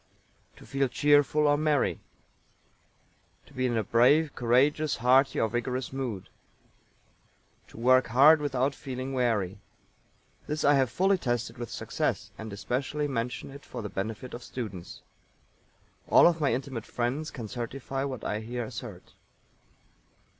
To feel cheerful or merry. To be in a brave, courageous, hearty or vigorous mood. To work hard without feeling weary. This I have fully tested with success, and especially mention it for the benefit of students. All of my intimate friends can certify what I here assert.